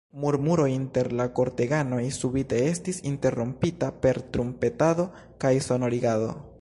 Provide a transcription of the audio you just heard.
Murmuro inter la korteganoj subite estis interrompita per trumpetado kaj sonorigado.